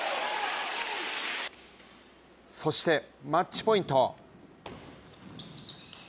そしてマッチポイント。